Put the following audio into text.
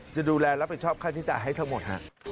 จะดูแลรับผิดชอบค่าใช้จ่ายให้ทั้งหมด